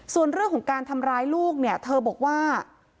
ส่วนเรื่องของการทำร้ายลูกเนี่ยเธอบอกว่า